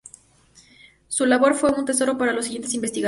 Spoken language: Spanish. Su labor fue un tesoro para los siguientes investigadores.